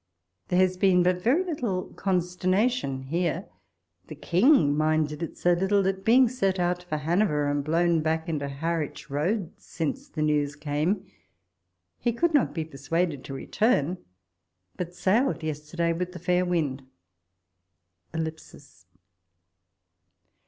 There has been but very little consternation here: the King minded it so little, that being set out for Hanover, and blown back into Harwich roads since the news came, he could not be persuaded to return, but sailed yesterday with the fair wind. ... walpole's letters.